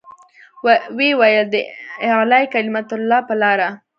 ويې ويل د اعلاى کلمة الله په لاره.